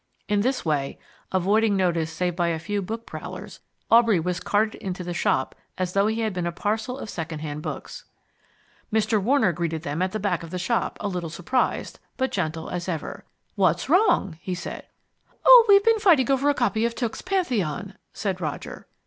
In this way, avoiding notice save by a few book prowlers, Aubrey was carted into the shop as though he had been a parcel of second hand books. Mr. Warner greeted them at the back of the shop, a little surprised, but gentle as ever. "What's wrong?" he said. "Oh, we've been fighting over a copy of Tooke's Pantheon," said Roger.